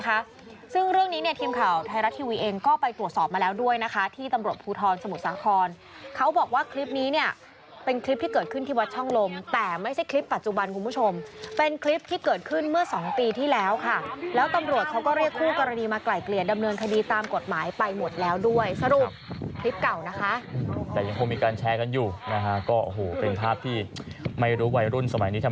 ในคลิปเลยนะคะซึ่งเรื่องนี้เนี่ยทีมข่าวไทยรัฐทีวีเองก็ไปตรวจสอบมาแล้วด้วยนะคะที่ตำรวจภูทรสมุทรสังครเขาบอกว่าคลิปนี้เนี่ยเป็นคลิปที่เกิดขึ้นที่วัดช่องลมแต่ไม่ใช่คลิปปัจจุบันคุณผู้ชมเป็นคลิปที่เกิดขึ้นเมื่อสองปีที่แล้วค่ะแล้วตำรวจเขาก็เรียกคู่กรณีมาไกลเกลี่ยดำเนินคดีต